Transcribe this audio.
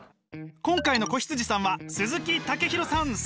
今回の子羊さんは鈴木健大さん